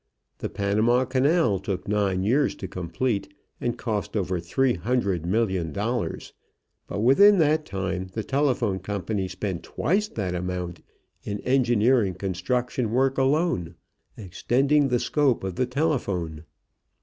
The Panama Canal took nine years to complete, and cost over three hundred million dollars; but within that time the telephone company spent twice that amount in engineering construction work alone, extending the scope of the telephone.